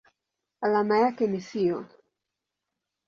Alama yake ni SiO.